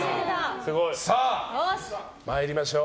さあ参りましょう。